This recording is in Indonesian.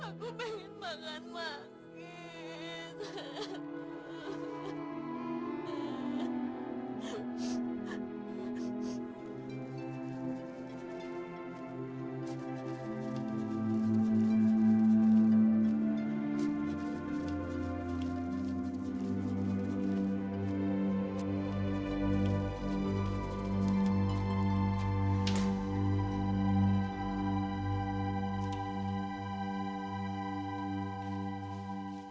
aku pengen makan manggis